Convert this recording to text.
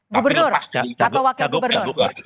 gubernur atau wakil gubernur